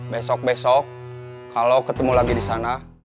besok besok kalau ketemu lagi di sana